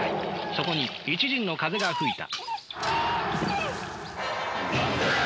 そこに一陣の風が吹いた。